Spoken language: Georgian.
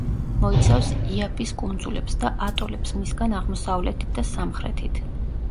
მოიცავს იაპის კუნძულებს და ატოლებს მისგან აღმოსავლეთით და სამხრეთით.